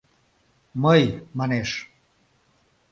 — Мый, — манеш.